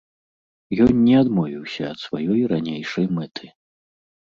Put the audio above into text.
Ён не адмовіўся ад сваёй ранейшай мэты.